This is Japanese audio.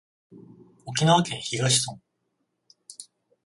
沖縄県東村